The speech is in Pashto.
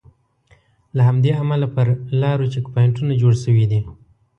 له همدې امله پر لارو چیک پواینټونه جوړ شوي دي.